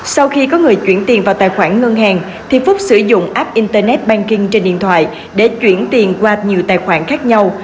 sau khi có người chuyển tiền vào tài khoản ngân hàng thì phúc sử dụng app internet banking trên điện thoại để chuyển tiền qua nhiều tài khoản khác nhau